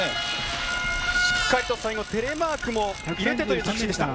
しっかりと最後、テレマークも入れてという着地でした。